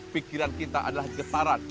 pikiran kita adalah getaran